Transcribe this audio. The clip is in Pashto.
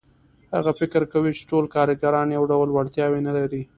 هغه فکر کوي چې ټول کارګران یو ډول وړتیاوې نه لري